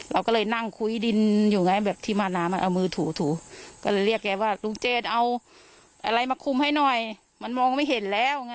เราก็เลยนั่งคุยดินอยู่ไงแบบที่มาน้ำมันเอามือถูก็เรียกแกว่าลุงเจนเอาอะไรมาคุมให้หน่อยมันมองไม่เห็นแล้วไง